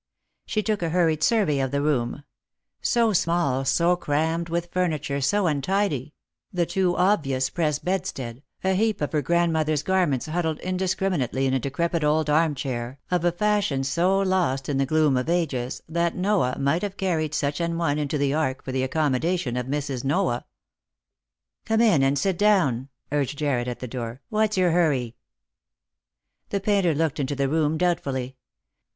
She took a hurried survey of the room ; so small, so crammed with furniture, so untidy ; the too obvious press bedstead, a heap of her grandmother's garments huddled indis criminately in a decrepit old arm chair, of a fashion so lost in the gloom of ages, that Noah might have carried such an one into the ark for the accommodation of Mrs. Noah. " Come in and sit down," urged Jarred at the door. "What's your hurry ?" The painter looked into the room doubtfully.